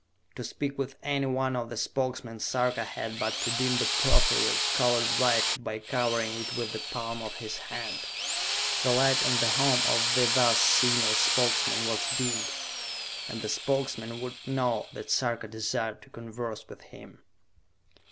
To speak with any one of the Spokesmen Sarka had but to dim the properly colored light by covering it with the palm of his hand. The light in the home of the thus signalled Spokesman was dimmed, and the Spokesman would know that Sarka desired to converse with him.